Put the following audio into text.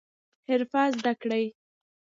حرفه زده کړئ